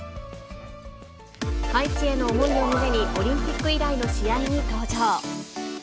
ハイチへの思いを胸にオリンピック以来の試合に登場。